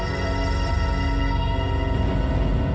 jadi sekarang kita hanya paham